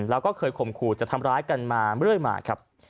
แล้วก็เคยข่มขู่จะทำร้ายกันมาเรื่อยมาครับ